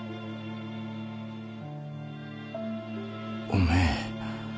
お前。